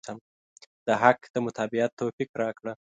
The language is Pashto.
د حق د متابعت توفيق راکړه.